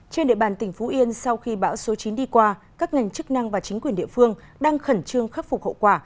trên địa bàn tỉnh phú yên sau khi bão số chín đi qua các ngành chức năng và chính quyền địa phương đang khẩn trương khắc phục hậu quả